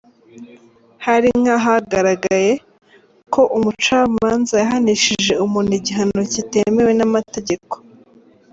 Hari nk’ahagaragaye ko umucamanza yahanishije umuntu igihano kitemewe n’amategeko ;.